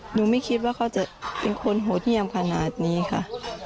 ไม่คิดว่าเขาจะเป็นคนโหดเยี่ยมขนาดนี้ค่ะ